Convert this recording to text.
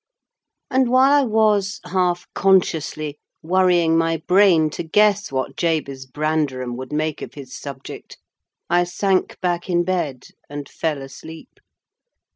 And while I was, half consciously, worrying my brain to guess what Jabez Branderham would make of his subject, I sank back in bed, and fell asleep.